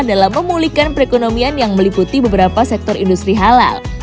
dalam memulihkan perekonomian yang meliputi beberapa sektor industri halal